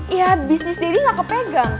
ya bisnis dedi gak kepegang